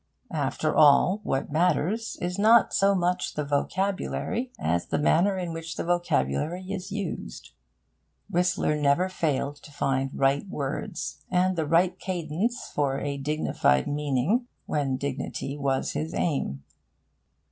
After all, what matters is not so much the vocabulary as the manner in which the vocabulary is used. Whistler never failed to find right words, and the right cadence for a dignified meaning, when dignity was his aim.